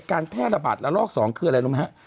การแพร่ระบาดระลอก๒คืออะไรรู้ไหมฮะ